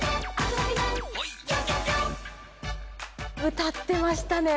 歌ってましたね。